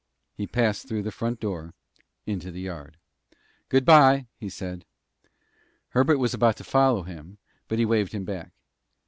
He passed through the front door into the yard. "Good by!" he said. Herbert was about to follow him, but he waived him back.